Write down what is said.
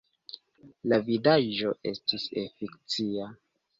La vidaĵo estis afekcia!